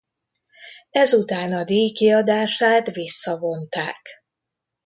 Ez után a díj kiadását visszavonták.